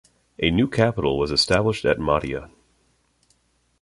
A new capital was established at Mahdia.